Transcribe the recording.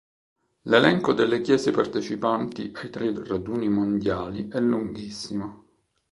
L'elenco delle chiese partecipanti ai tre raduni mondiali è lunghissimo.